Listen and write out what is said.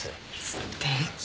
すてき。